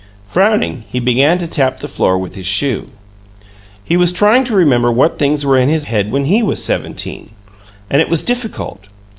Frowning, he began to tap the floor with his shoe. He was trying to remember what things were in his head when he was seventeen, and it was difficult.